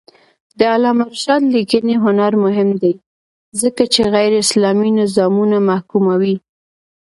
د علامه رشاد لیکنی هنر مهم دی ځکه چې غیراسلامي نظامونه محکوموي.